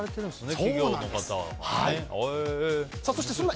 企業の方は。